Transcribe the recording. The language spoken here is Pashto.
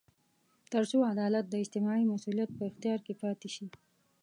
تر څو عدالت د اجتماعي مسوولیت په اختیار کې پاتې شي.